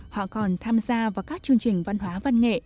họ còn tham gia vào các chương trình văn hóa văn nghệ